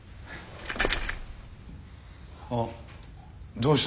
あどうした？